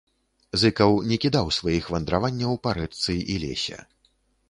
Зыкаў не кідаў сваіх вандраванняў па рэчцы і лесе.